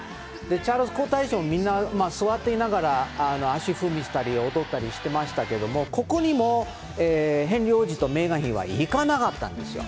チャールズ皇太子もみんな、座っていながら、足踏みしたり、踊ったりしてましたけど、ここにもヘンリー王子とメーガン妃は行かなかったんですよ。